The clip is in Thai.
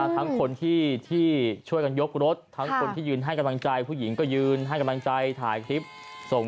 คนในรถเข้าไปไหน